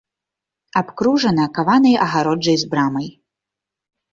Абкружана каванай агароджай з брамай.